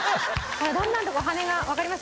ほらだんだんとこう羽根がわかります？